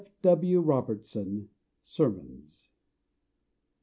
Robertson: "Sermons."